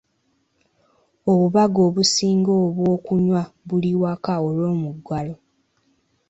Obubaga obusinga obw'okunywa buli waka olw'omuggalo.